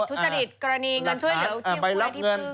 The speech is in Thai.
ใช่ทุจฎิตกรณีเงินช่วยเหยียวที่หัวที่จึง